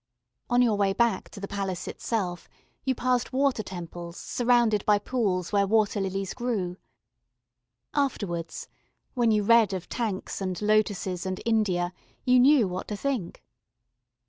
On your way back to the Palace itself you passed Water Temples surrounded by pools where water lilies grew. Afterwards, when you read of tanks and lotuses and India, you knew what to think.